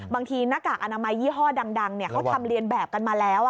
หน้ากากอนามัยยี่ห้อดังเขาทำเรียนแบบกันมาแล้ว